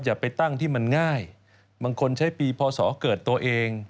อย่าไปตั้งที่มันง่ายบางคนใช้ปีพศเกิดตัวเอง